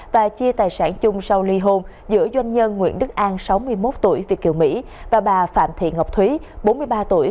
và chia tài sản chung sau ly hôn giữa doanh nhân nguyễn đức an sáu mươi một tuổi việt kiều mỹ và bà phạm thị ngọc thúy bốn mươi ba tuổi